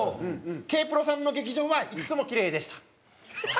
Ｋ−ＰＲＯさんの劇場はいっつもキレイでした。